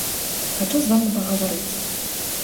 Хачу з вамі пагаварыць!